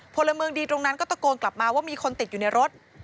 พลเมืองดีตรงนั้นก็ตะโกนกลับมาว่ามีคนติดอยู่ในรถ